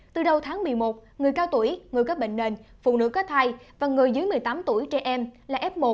từ đầu tháng một mươi một người cao tuổi người có bệnh nền phụ nữ có thai và người dưới một mươi tám tuổi trẻ em là f một